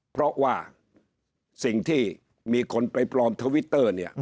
เพราะว่าสิ่งที่มีคนไปปลอมทวิตเตอร์เนี่ย